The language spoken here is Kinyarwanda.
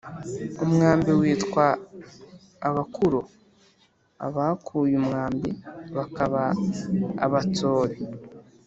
umwambi witwa "abakuro" (abakuye umwambi), bakaba abatsobe.